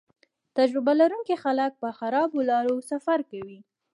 تجربه لرونکي خلک په خرابو لارو سفر کوي